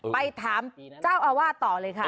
ไปถามเจ้าอาวาสต่อเลยค่ะ